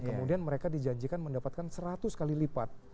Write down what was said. kemudian mereka dijanjikan mendapatkan seratus kali lipat